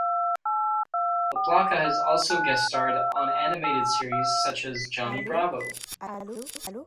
LaPlaca has also guest-starred on animated series such as "Johnny Bravo".